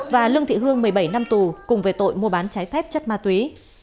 và lương thị hương một mươi bảy năm tù cùng về tội mua bán trái phép chất ma túy